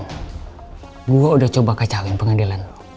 gue udah coba kacauin pengadilan lo